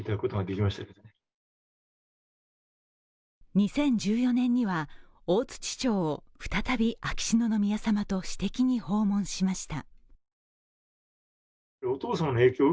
２０１４年には大槌町を再び秋篠宮さまと私的に訪問しました。